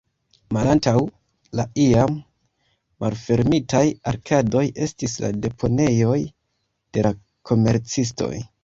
Malantaŭ la iam malfermitaj arkadoj estis la deponejoj de la komercistoj.